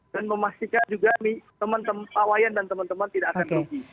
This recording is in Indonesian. dan memastikan juga teman teman pawayan dan teman teman tidak akan berhenti